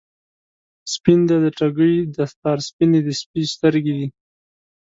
سپین دی د ټګۍ دستار، سپینې د سپي سترګی دي